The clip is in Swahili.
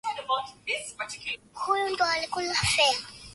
Jeshi la Jamuhuri ya Demokrasia ya Kongo linasema limeua waasi kumi na moja